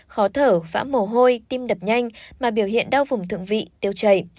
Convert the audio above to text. khó thở phá mồ hôi tim đập nhanh mà biểu hiện đau vùng thượng vị tiêu chảy